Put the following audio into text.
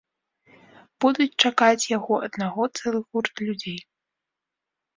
Будуць чакаць яго аднаго цэлы гурт людзей.